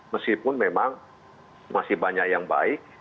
meskipun memang masih banyak yang baik